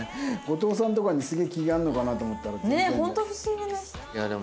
後藤さんとかにすげえ気があるのかなと思ったら全然で。